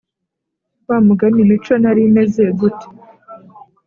wamugani mico narimeze gute?"